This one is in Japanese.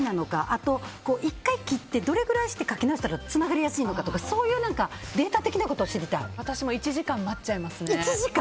あと、１回切ってどれぐらいしてかけ直したらつながりやすいのかとかそういうデータ的なことを私も１時間待っちゃいますね。